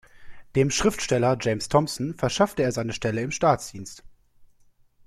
Dem Schriftsteller James Thomson verschaffte er eine Stelle im Staatsdienst.